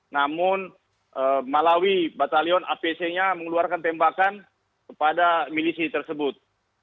namun malawi batalion apc nya mengeluarkan tembakan kepada milisi tersebut